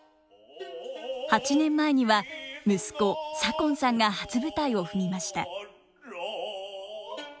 ８年前には息子左近さんが初舞台を踏みました。